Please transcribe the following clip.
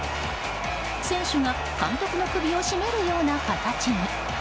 選手が監督の首を絞めるような形に。